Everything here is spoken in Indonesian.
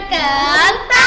kakak takut kak